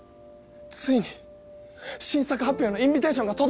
ついに新作発表のインビテーションが届いたんです！